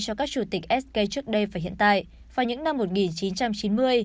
cho các chủ tịch sk trước đây và hiện tại vào những năm một nghìn chín trăm chín mươi